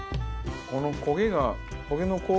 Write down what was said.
このこげが。